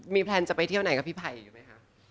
แพลนจะไปเที่ยวไหนกับพี่ไผ่อยู่ไหมคะ